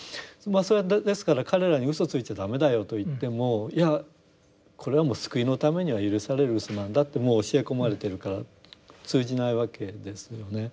それはですから彼らに嘘ついちゃ駄目だよと言ってもいやこれはもう救いのためには許される嘘なんだってもう教え込まれてるから通じないわけですよね。